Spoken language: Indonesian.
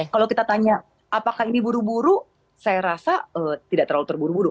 kalau kita tanya apakah ini buru buru saya rasa tidak terlalu terburu buru